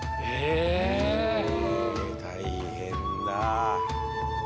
え大変だ。